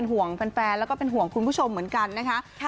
พี่ปานเองก็เป็นห่วงแฟนแล้วก็เป็นห่วงคุณผู้ชมเหมือนกันนะคะ